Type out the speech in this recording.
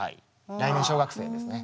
来年小学生ですね。